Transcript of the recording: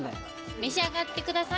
召し上がってください。